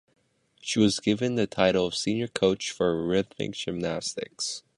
She was given the title of Senior Coach for Rhythmic Gymnastics.